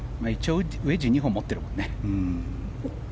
ウェッジを２本持っているからね。